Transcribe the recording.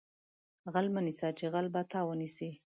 غل مه نیسه چې غل به تا ونیسي